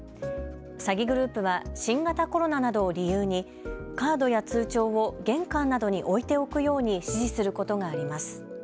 詐欺グループは新型コロナなどを理由にカードや通帳を玄関などに置いておくように指示することがあります。